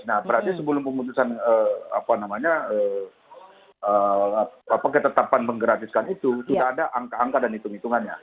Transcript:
nah berarti sebelum pemutusan ketetapan menggratiskan itu sudah ada angka angka dan hitung hitungannya